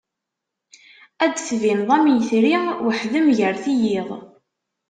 Ad d-tbineḍ am yetri, weḥd-m gar teyyiḍ.